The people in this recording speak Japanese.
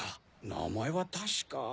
名前は確か。